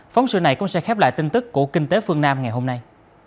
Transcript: phóng sự này cũng sẽ khép lại tin tức của kinh tế phương nam ngày hôm nay